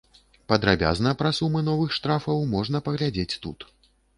Падрабязна пра сумы новых штрафаў можна паглядзець тут.